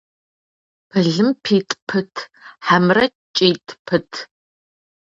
Пылым питӏ пыт, хьэмэрэ кӏитӏ пыт?